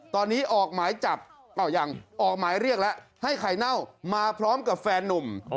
ตอนนี้ออกหมายเรียกแล้วให้ไข่เน่ามาพร้อมกับแฟนนุ่ม